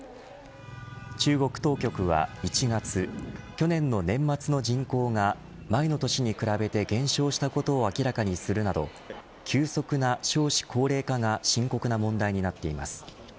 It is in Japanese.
中国当局は１月去年の年末の人口が前の年に比べて減少したことを明らかにするなど急速な少子高齢化が深刻な問題になっています。